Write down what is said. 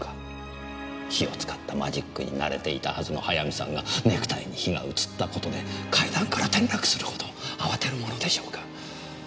火を使ったマジックに慣れていたはずの早見さんがネクタイに火が移った事で階段から転落するほど慌てるものでしょうか？